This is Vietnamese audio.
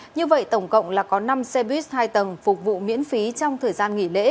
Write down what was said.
như vậy tổng cộng là có năm xe buýt hai tầng phục vụ miễn phí trong thời gian nghỉ lễ